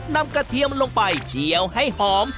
นำกระเทียมลงไปเจียวให้หอม